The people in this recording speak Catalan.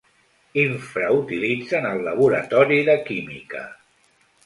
Infrautilitzen el laboratori de química.